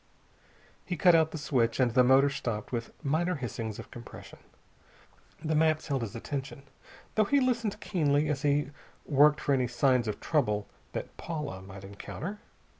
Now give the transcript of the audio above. He cut out the switch and the motor stopped with minor hissings of compression. The maps held his attention, though he listened keenly as he worked for any signs of trouble that Paula might encounter.